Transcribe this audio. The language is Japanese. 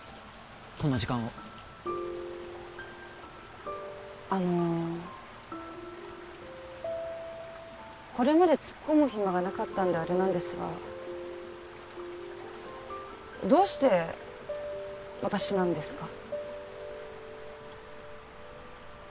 この時間をあのこれまでツッコむ暇がなかったんであれなんですがどうして私なんですか？